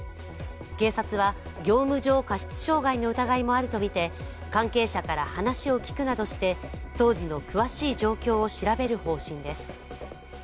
警察は、業務上過失傷害の疑いもあるとみて関係者から話を聞くなどして当時の詳しい状況を調べる方針です。